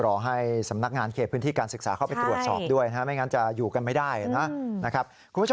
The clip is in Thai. รอให้สำนักงานเขตพื้นที่การศึกษาเข้าไปตรวจสอบด้วยไม่งั้นจะอยู่กันไม่ได้นะครับคุณผู้ชม